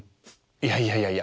いやいやいやいや。